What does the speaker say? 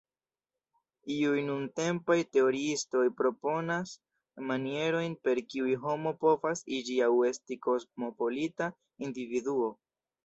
Iuj nuntempaj teoriistoj proponas manierojn, per kiuj homo povas iĝi aŭ esti kosmopolita individuo.